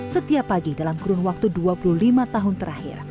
setiap pagi dalam kurun waktu dua puluh lima tahun terakhir